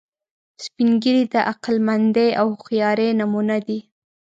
سپین ږیری د عقلمندۍ او هوښیارۍ نمونه دي